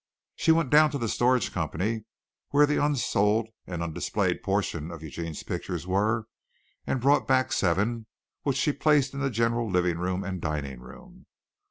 She went down to the storage company where the unsold and undisplayed portion of Eugene's pictures were and brought back seven, which she placed in the general living room and dining room.